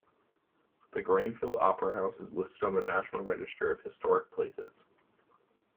The Grainfield Opera House is listed on the National Register of Historic Places.